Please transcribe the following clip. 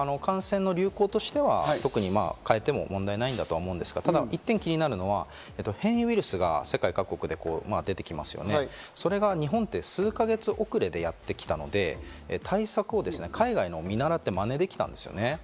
感染の流行としては変えても問題ないと思うんですけど、一点気になるのは変異ウイルスが世界各国で出てきますので、それが日本って数か月遅れでやってきたので、対策を海外に見習ってまねできたんです。